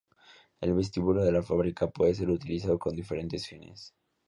El vestíbulo de la fábrica puede ser utilizado con diferentes fines.